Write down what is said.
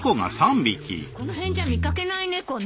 この辺じゃ見掛けない猫ね。